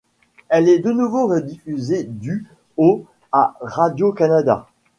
Elle est de nouveau rediffusée du au à Radio-Canada.